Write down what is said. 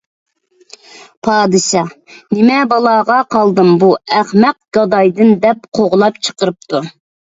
پادىشاھ: «نېمە بالاغا قالدىم بۇ ئەخمەق گادايدىن» دەپ قوغلاپ چىقىرىپتۇ.